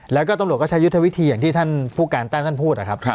แล้วก็ตำรวจก็ใช้ยุทธวิธีอย่างที่ท่านผู้การแต้มท่านพูดนะครับ